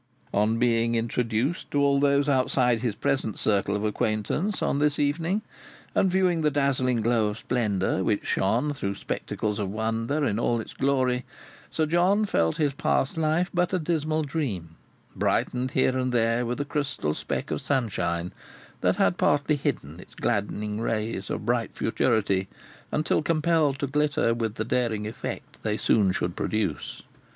On being introduced to all those outside his present circle of acquaintance on this evening, and viewing the dazzling glow of splendour which shone, through spectacles of wonder, in all its glory, Sir John felt his past life but a dismal dream, brightened here and there with a crystal speck of sunshine that had partly hidden its gladdening rays of bright futurity until compelled to glitter with the daring effect they soon should produce.